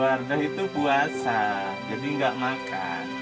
wardah itu buasa jadi nggak makan